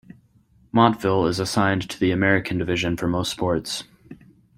Montville is assigned to the American Division for most sports.